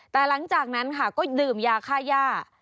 แต่หลังจากนั้นค่ะก็ดื่มยาค่าย่า